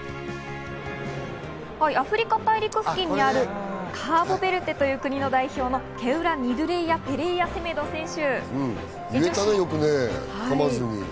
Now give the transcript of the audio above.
アフリカ大陸付近にあるカーボベルデという国の代表のペレイラセメド選手。